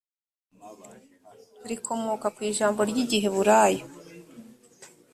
rikomoka ku ijambo ry igiheburayo